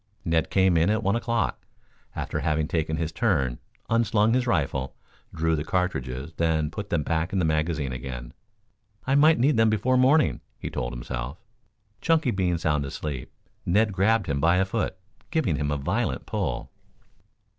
Ned came in at one o'clock, after having taken his turn, unslung his rifle, drew the cartridges then put them back in the magazine again. "I might need them before morning," he told himself. Chunky being sound asleep, Ned grabbed him by a foot giving him a violent pull.